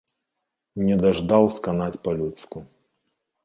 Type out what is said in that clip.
Не даждаў сканаць па-людску.